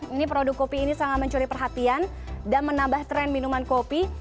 ini produk kopi ini sangat mencuri perhatian dan menambah tren minuman kopi